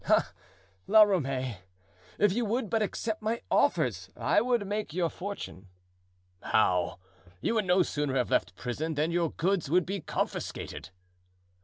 "Ah, La Ramee! if you would but accept my offers! I would make your fortune." "How? you would no sooner have left prison than your goods would be confiscated."